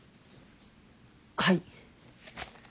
はい。